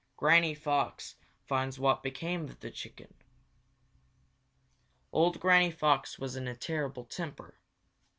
Granny Fox Finds What Became of the Chicken Old Granny Fox was in a terrible temper.